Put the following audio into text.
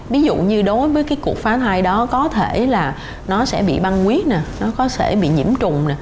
ví dụ như đối với cái cuộc phá thai đó có thể là nó sẽ bị băng quý này nó có thể bị nhiễm trùng